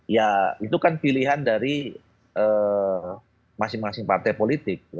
ya itu kan pilihan dari masing masing partai politik